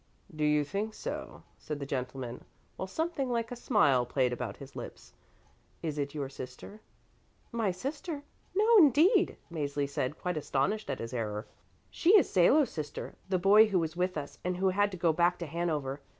"Do you think so?" said the gentleman, while something like a smile played about his lips. "Is it your sister?" "My sister? No, indeed," Mäzli said, quite astonished at his error. "She is Salo's sister, the boy who was with us and who had to go back to Hanover.